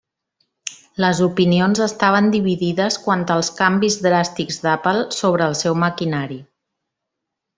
Les opinions estaven dividides quant als canvis dràstics d'Apple sobre el seu maquinari.